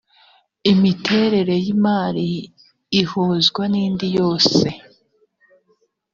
imiterere y ‘imari ihuzwa nindiyose.